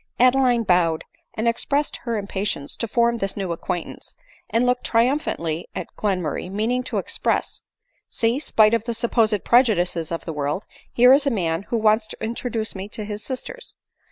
Adeline bowed, and expressed her impatience to form this new acquaintance ; and looked triumphantly at Glen murray, meaning to express —" See, spite of the supposed prejudices of the world, here is a man who wants to introduce me to his sisters."